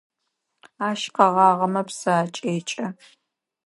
Ащ къэгъагъэмэ псы акӏекӏэ.